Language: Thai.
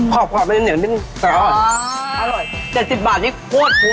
ขอบหรือเหนียวนิดนึงอร่อยอ่าอร่อย๗๐บาทนี่โคตรคุ้ม